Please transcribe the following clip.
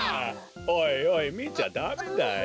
おいおいみちゃダメだよ。